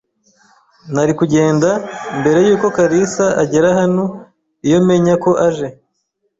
Nari kugenda mbere yuko kalisa agera hano iyo menya ko aje.